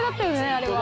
あれは。